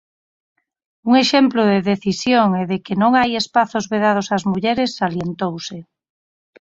"Un exemplo de decisión e de que non hai espazos vedados ás mulleres", salientouse.